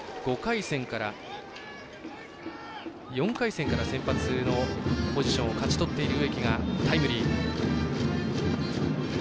４回戦から先発のポジションを勝ち取っている植木がタイムリー。